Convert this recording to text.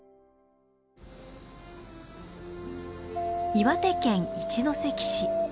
岩手県一関市。